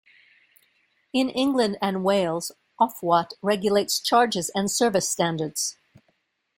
In England and Wales, Ofwat regulates charges and service standards.